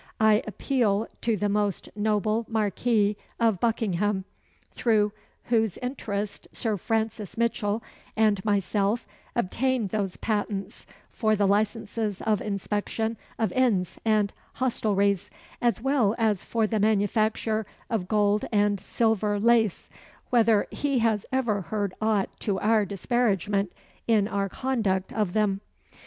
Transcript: I appeal to the most noble Marquis of Buckingham, through whose interest Sir Francis Mitchell and myself obtained those patents for the licences of inspection of inns and hostelries, as well as for the manufacture of gold and silver lace, whether he has ever heard aught to our disparagement in our conduct of them?"